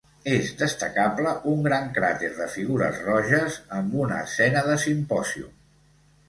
És destacable un gran crater de figures roges amb una escena de simpòsium.